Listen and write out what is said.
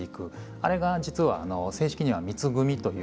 あれが実は正式には「三つ組」という名称になります。